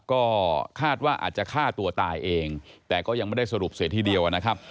ก็คาดว่าอาจจะฆ่าตัวตายเองแต่ก็ยังไม่ได้สรุปเสียทีเดียวนะครับ